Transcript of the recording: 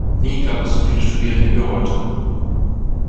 Nie gab es so viele Studierende wie heute.